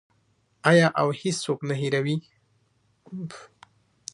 آیا او هیڅوک نه هیروي؟